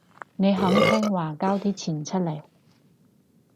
你肯聽話交啲錢出嚟